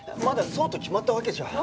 まだそうと決まったわけじゃ。